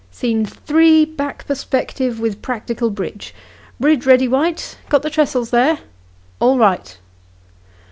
"Scene 3, back perspective with practical bridge. Bridge ready, White ? Got the tressels there ?"" All right."